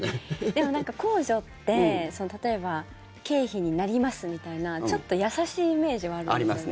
でも、なんか控除って例えば経費になりますみたいなちょっと優しいイメージはあるんですよね。